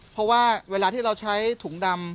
เพราะว่าเวลาที่เราใช้ถุงดำ